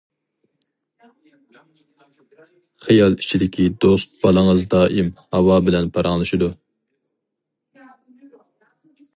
خىيال ئىچىدىكى دوست بالىڭىز دائىم «ھاۋا» بىلەن پاراڭلىشىدۇ.